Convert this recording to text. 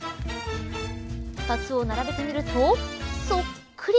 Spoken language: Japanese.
２つを並べてみるとそっくり。